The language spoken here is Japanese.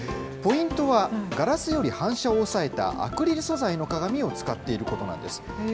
ポイントは、ガラスより反射を抑えたアクリル素材の鏡を使っていることなんです。